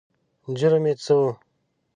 جرم یې څه و؟